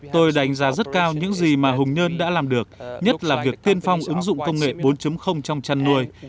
tôi đánh giá rất cao những gì mà hùng nhơn đã làm được nhất là việc tiên phong ứng dụng công nghệ bốn trong chăn nuôi